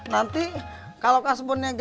nanti kalau kasbonnya gede